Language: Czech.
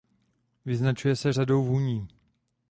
Vyznačuje se řadou vůní.